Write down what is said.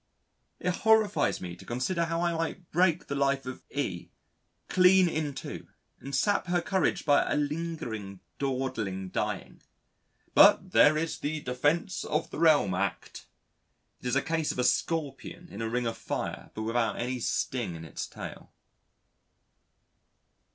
It horrifies me to consider how I might break the life of E clean in two, and sap her courage by a lingering, dawdling dying. But there is the Defence of the Realm Act. It is a case of a Scorpion in a ring of fire but without any sting in its tail.